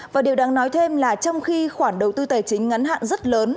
và điều đáng nói thêm là trong khi khoản đầu tư tài chính ngắn hạn rất lớn